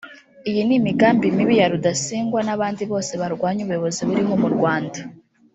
Iyi n’imigambi mibi ya Rudasingwa n’abandi bose barwanya ubuyobozi buriho mu Rwanda